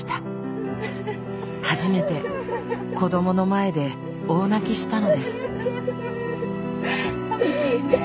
初めて子どもの前で大泣きしたのです。